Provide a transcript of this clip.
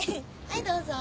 はいどうぞ。